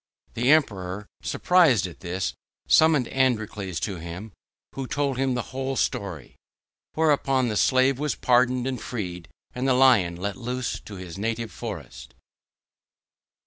The Emperor, surprised at this, summoned Androcles to him, who told him the whole story. Whereupon the slave was pardoned and freed, and the Lion let loose to his native forest.